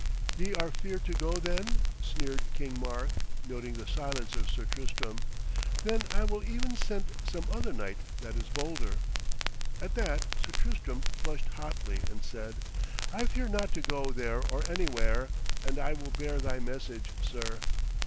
'Ye are feared to go, then?' sneered King Mark, noting the silence of Sir Tristram. 'Then I will e'en send some other knight that is bolder.' At that Sir Tristram flushed hotly and said: 'I fear not to go there or anywhere, and I will bear thy message, sir.'